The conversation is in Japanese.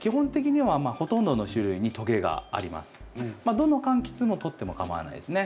どの柑橘も取ってもかまわないですね。